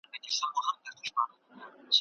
شاید دا غږ د هغه د خپل فکر زیږنده وي.